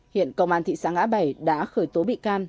hiện công an thị xã ngã bảy đã khởi tố bị can